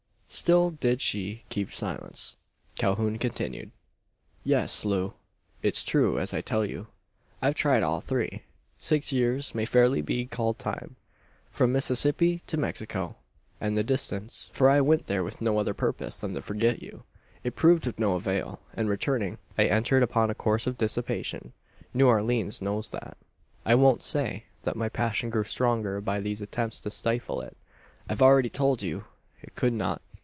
Still did she keep silence. Calhoun continued: "Yes, Loo; it's true as I tell you. I've tried all three. Six years may fairly be called time. From Mississippi to Mexico was the distance: for I went there with no other purpose than to forget you. It proved of no avail; and, returning, I entered upon a course of dissipation. New Orleans knows that. "I won't say, that my passion grew stronger by these attempts to stifle it. I've already told you, it could not.